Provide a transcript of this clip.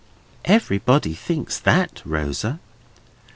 "Everybody thinks that, Rosa."